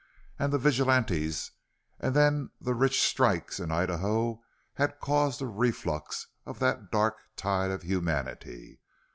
And the vigilantes and then the rich strikes in Idaho had caused a reflux of that dark tide of humanity.